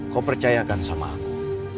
kau percayakan sama aku